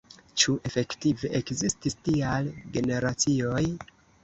ĉu efektive ekzistis tiaj generacioj?